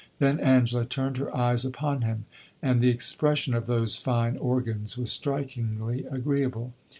Then Angela turned her eyes upon him, and the expression of those fine organs was strikingly agreeable.